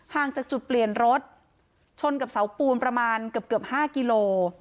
จากจุดเปลี่ยนรถชนกับเสาปูนประมาณเกือบ๕กิโล